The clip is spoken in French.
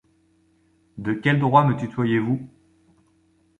De quel droit me tutoyez-vous ?